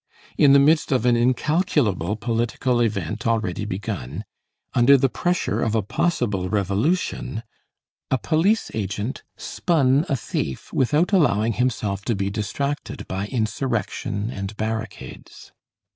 In the midst of an incalculable political event already begun, under the pressure of a possible revolution, a police agent, "spun" a thief without allowing himself to be distracted by insurrection and barricades.